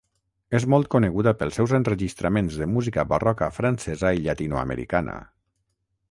És molt coneguda pels seus enregistraments de música barroca francesa i llatinoamericana.